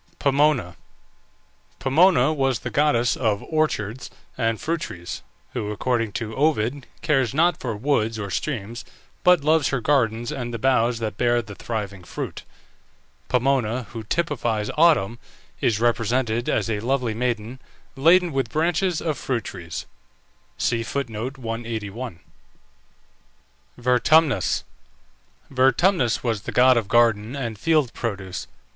POMONA. Pomona was the goddess of orchards and fruit trees, who, according to Ovid, cares not for woods or streams, but loves her gardens and the boughs that bear the thriving fruit. Pomona, who typifies Autumn, is represented as a lovely maiden, laden with branches of fruit trees. VERTUMNUS. Vertumnus was the god of garden and field produce.